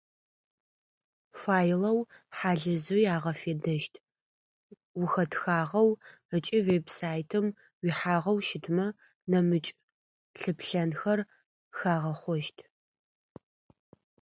Файлэу хьалыжьый агъэфедэщт, ухэтхагъэу ыкӏи веб-сайтым уихьагъэу щытмэ, нэмыкӏ лъыплъэнхэр хагъэхъощт.